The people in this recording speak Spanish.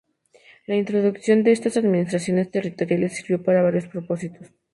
La introducción de estas administraciones territoriales sirvió para varios propósitos.